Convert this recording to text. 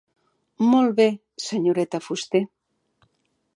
Molt bé, senyoreta Fuster.